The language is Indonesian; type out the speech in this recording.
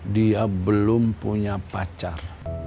dia belum punya pacar